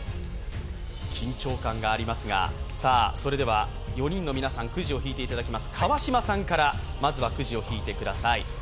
緊張感がありますが、それでは４人の皆さん、くじを引いていただきます、川島さんからくじを引いてください。